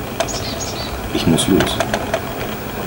Ich muss los.